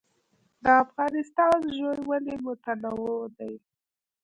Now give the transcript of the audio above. د افغانستان ژوي ولې متنوع دي؟